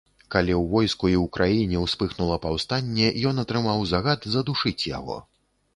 Калі ў войску і ў краіне ўспыхнула паўстанне, ён атрымаў загад задушыць яго.